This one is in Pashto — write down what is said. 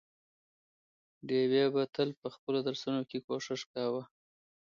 ډېوې به تل په خپلو درسونو کې ډېر کوښښ کاوه،